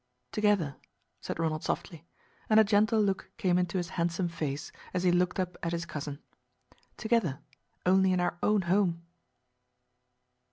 "Together," said Ronald softly, and a gentle look came into his handsome face, as he looked up at his cousin. "Together only in our own home."